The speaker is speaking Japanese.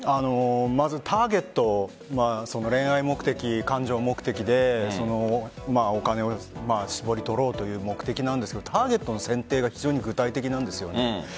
まず、ターゲット恋愛目的、感情目的でお金を搾り取ろうという目的なんですけどターゲットの選定が具体的なんですよね。